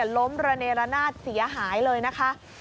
ล้มระเนรนาศเสียหายเลยนะคะ